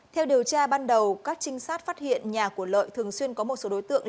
theo điều tra ban đầu các trinh sát phát hiện nhà của lợi thường xuyên có một số đối tượng